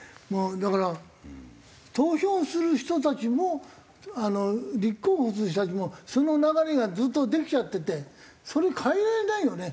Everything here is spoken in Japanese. だから投票する人たちも立候補する人たちもその流れがずっとできちゃっててそれ変えられないよね。